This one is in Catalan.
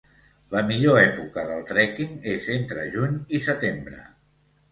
La millor època pel trekking és entre juny i setembre.